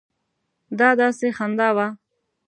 دا داسې خندا وه.